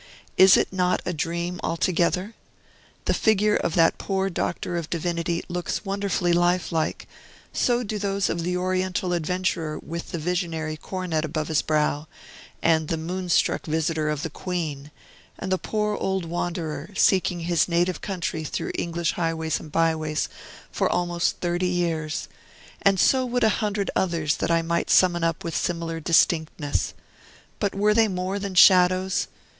Is it not a dream altogether? The figure of that poor Doctor of Divinity looks wonderfully lifelike; so do those of the Oriental adventurer with the visionary coronet above his brow, and the moonstruck visitor of the Queen, and the poor old wanderer, seeking his native country through English highways and by ways for almost thirty years; and so would a hundred others that I might summon up with similar distinctness. But were they more than shadows?